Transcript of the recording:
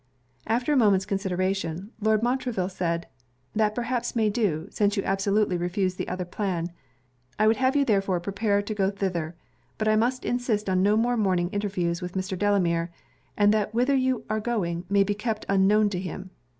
After a moment's consideration, Lord Montreville said, 'that perhaps may do, since you absolutely refuse the other plan; I would have you therefore prepare to go thither; but I must insist on no more morning interviews with Mr. Delamere, and that whither you are going may be kept unknown to him.